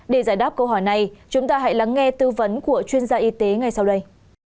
để giải đáp câu hỏi này chúng ta hãy lắng nghe tư vấn của chuyên gia y tế ngay sau đây